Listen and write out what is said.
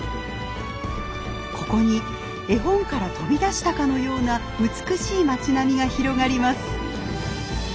ここに絵本から飛び出したかのような美しい町並みが広がります。